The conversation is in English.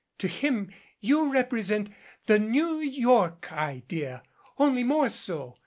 To him you represent 'the New York Idea' only more so.